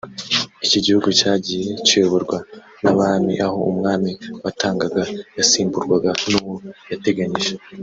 iki gihugu cyagiye kiyoborwa n’abami aho umwami watangaga yasimburwaga n’uwo yateganyije